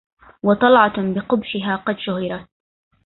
وطلعة بقبحها قد شهرت